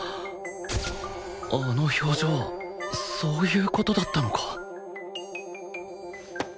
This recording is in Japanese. あの表情はそういう事だったのか